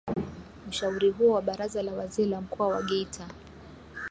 Ushauri huo wa baraza la wazee la mkoa wa geita